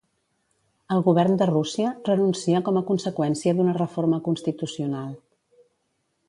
El govern de Rússia renuncia com a conseqüència d'una reforma constitucional.